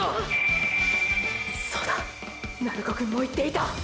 そうだ鳴子くんも言っていた！！